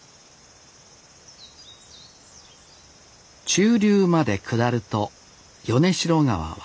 中流まで下ると米代川は穏やか。